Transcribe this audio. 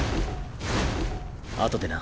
あとでな。